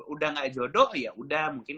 udah gak jodoh yaudah mungkin